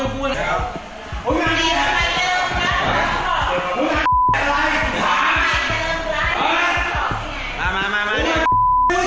กลับไปกัน